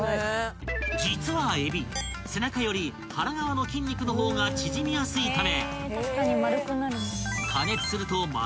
［実はえび背中より腹側の筋肉の方が縮みやすいため］